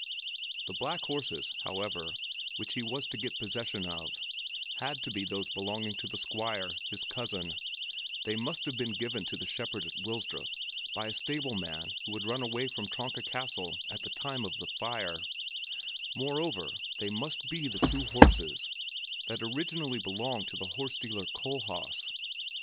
The black horses, however, which he was to get possession of, had to be those belonging to the Squire, his cousin; they must have been given to the shepherd at Wilsdruf by a stable man who had run away from Tronka Castle at the time of the fire; moreover, they must be the two horses that originally had belonged to the horse dealer Kohlhaas.